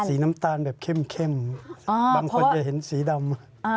สีน้ำตาลแบบเข้มบางคนจะเห็นสีดำ